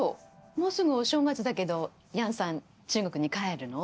もうすぐお正月だけど楊さん中国に帰るの？